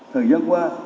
thời gian qua